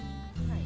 はい。